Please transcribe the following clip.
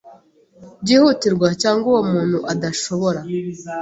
byihutirwa cyangwa uwo muntu adashobora